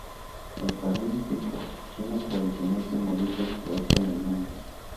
El jardín chino tradicional simboliza el paraíso en el mundo.